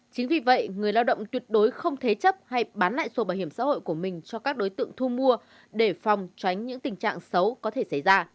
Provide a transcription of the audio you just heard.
chính vì vậy người lao động tuyệt đối không thế chấp hay bán lại sổ bảo hiểm xã hội của mình cho các đối tượng thu mua để phòng tránh những tình trạng xấu có thể xảy ra